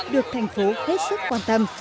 được thành phố hết sức quan tâm